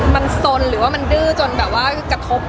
มันสนหรือว่ามันดื้อจนแบบว่ากระทบ